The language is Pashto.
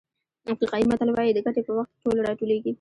افریقایي متل وایي د ګټې په وخت ټول راټولېږي.